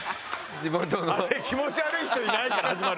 気持ち悪い人いない？」から始まる。